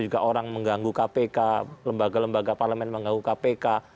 juga orang mengganggu kpk lembaga lembaga parlemen mengganggu kpk